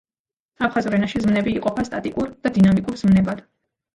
აფხაზურ ენაში ზმნები იყოფა სტატიკურ და დინამიკურ ზმნებად.